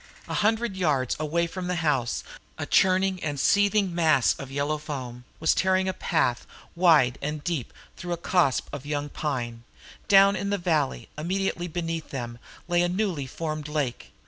A hundred yards away from the house a churning and seething mass of yellow foam was tearing a path, wide and deep, through a copse of young pine; down in the valley immediately beneath them lay a newly formed lake.